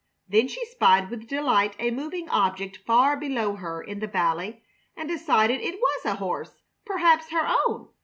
Then she spied with delight a moving object far below her in the valley, and decided it was a horse, perhaps her own.